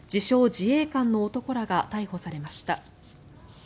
・自衛官の男らが逮捕されました。